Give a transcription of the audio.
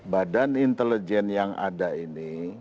badan intelijen yang ada ini